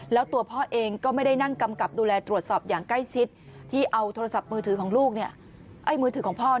แล้วตัวพ่อเองก็ไม่ได้นั่งกำกับดูแลตรวจสอบอย่างใกล้ชิดที่เอาโทรศัพท์มือถือของลูกมือถือของพ่อ